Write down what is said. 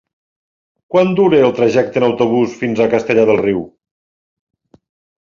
Quant dura el trajecte en autobús fins a Castellar del Riu?